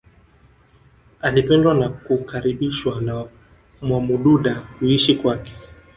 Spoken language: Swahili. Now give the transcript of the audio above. Alipendwa na kukaribishwa na Mwamududa kuishi kwake